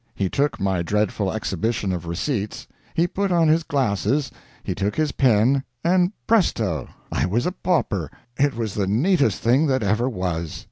He took my dreadful exhibition of receipts, he put on his glasses, he took his pen, and presto! I was a pauper! It was the neatest thing that ever was.